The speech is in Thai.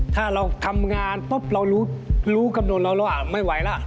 ถ้าเราทำงานปุ๊บเรารู้กำหนดเราแล้วว่าไม่ไหวแล้ว